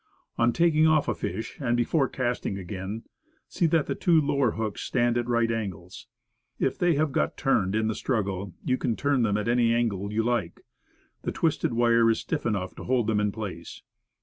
On taking off a fish, and before casting again, see that the two lower hooks stand at right angles. If they have got turned in the struggle you can turn them to any angle you like; the twisted wire is stiff enough to hold them in place.